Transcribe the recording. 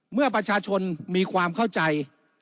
เมื่อประชาชนมีความเข้าใจ